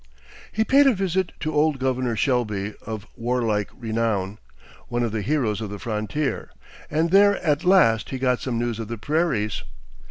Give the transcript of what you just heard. He paid a visit to old Governor Shelby of warlike renown, one of the heroes of the frontier, and there at last he got some news of the prairies!